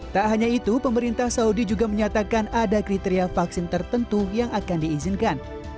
tak hanya itu pemerintah saudi juga menyatakan ada kriteria vaksin tertentu yang akan diizinkan